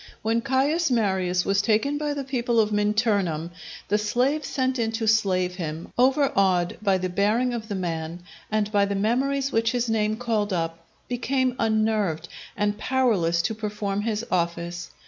When Caius Marius was taken by the people of Minturnum, the slave sent in to slay him, overawed by the bearing of the man, and by the memories which his name called up, became unnerved, and powerless to perform his office.